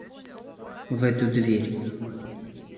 В эту дверь.